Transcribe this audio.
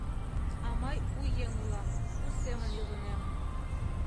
А мый у еҥ улам, у семын илынем.